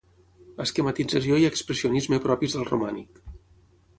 Esquematització i expressionisme propis del romànic.